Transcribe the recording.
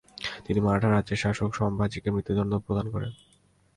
তিনি মারাঠা রাজ্যের শাসক সম্ভাজি কে মৃত্যুদণ্ড প্রদান করেন।